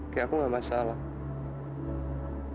kayak aku ga masalah